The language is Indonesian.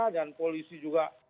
dan polisi juga